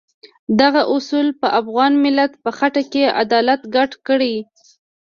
دغه اصول په افغان ملت په خټه کې عدالت ګډ کړی.